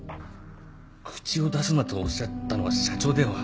口を出すなとおっしゃったのは社長では。